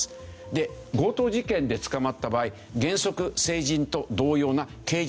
で強盗事件で捕まった場合原則成人と同様な刑事手続きになる。